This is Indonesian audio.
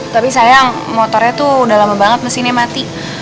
tapi sayang motornya tuh udah lama banget mesinnya mati